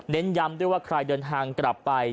ย้ำด้วยว่าใครเดินทางกลับไป